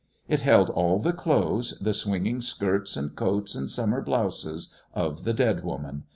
It held all the clothes, the swinging skirts and coats and summer blouses of the dead woman.